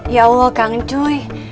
ya allah kang cuy